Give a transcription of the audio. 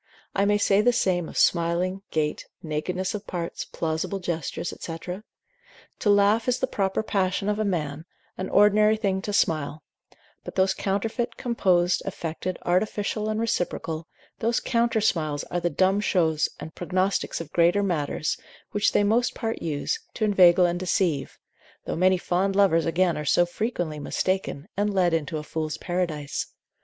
I may say the same of smiling, gait, nakedness of parts, plausible gestures, &c. To laugh is the proper passion of a man, an ordinary thing to smile; but those counterfeit, composed, affected, artificial and reciprocal, those counter smiles are the dumb shows and prognostics of greater matters, which they most part use, to inveigle and deceive; though many fond lovers again are so frequently mistaken, and led into a fool's paradise.